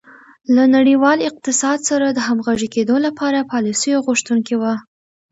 له نړیوال اقتصاد سره د همغږي کېدو لپاره پالیسیو غوښتونکې وه.